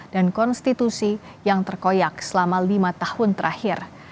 dan konstitusi yang terkoyak selama lima tahun terakhir